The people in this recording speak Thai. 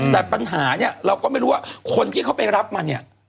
แต่ปัญหาเราก็ไม่รู้ว่าคนที่เขาไปรับมัน